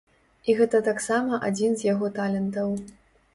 І гэта таксама адзін з яго талентаў.